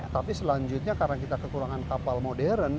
tapi selanjutnya karena kita kekurangan kapal modern